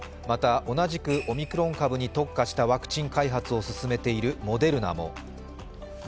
また同じくオミクロン株に特化したワクチン開発を進めているモデルナも。